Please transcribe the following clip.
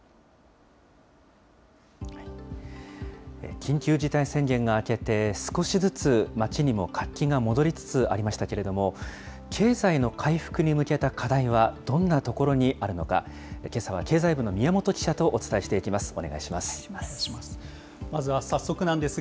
緊急事態宣言が明けて、少しずつ、街にも活気が戻りつつありましたけれども、経済の回復に向けた課題はどんなところにあるのか、けさは経済部の宮本記者とお伝えしていきます。